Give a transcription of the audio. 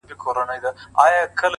خاموشه هڅه تر لوړ غږه اغېزمنه ده،